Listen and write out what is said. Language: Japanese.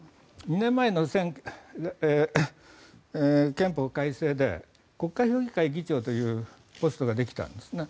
２年前の憲法改正で国家評議会議長というポストができたんですね。